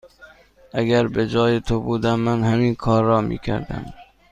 اگر به جای تو بودم، من همین کار را می کردم.